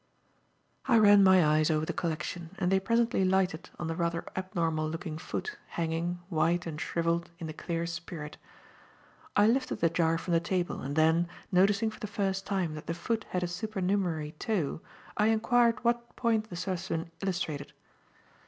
I ran my eyes over the collection and they presently lighted on the rather abnormal looking foot, hanging, white and shrivelled in the clear spirit. I lifted the jar from the table and then, noticing for the first time, that the foot had a supernumerary toe, I enquired what point the specimen illustrated.